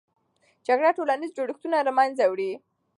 جګړه ټولنیز جوړښتونه له منځه وړي.